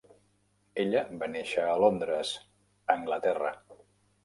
Ella va néixer a Londres, Anglaterra.